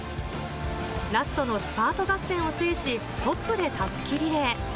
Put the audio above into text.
ラストのスタート合戦を制し、トップで襷リレー。